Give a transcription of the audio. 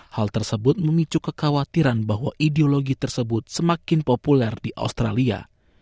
hal tersebut memicu kekhawatiran bahwa ideologi tersebut semakin populer di australia